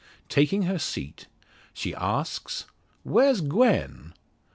Taking her seat, she asks: "Where's Gwen?"